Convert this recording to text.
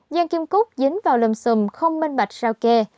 giang kim cúc dính vào lâm xùm không minh bạch sao kê